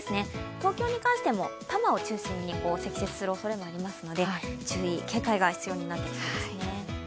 東京に関しても多摩を中心に積雪するおそれがありますので注意・警戒が必要になってきますね